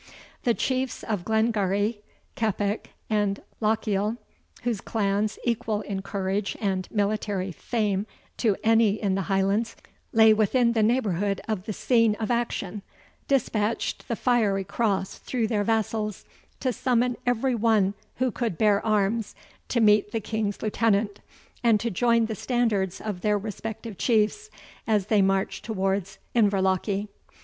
The Chiefs of Glengarry, Keppoch, and Lochiel, whose clans, equal in courage and military fame to any in the Highlands, lay within the neighbourhood of the scene of action, dispatched the fiery cross through their vassals, to summon every one who could bear arms to meet the King's lieutenant, and to join the standards of their respective Chiefs, as they marched towards Inverlochy.